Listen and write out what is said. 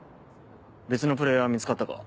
別のプレーヤーは見つかったか？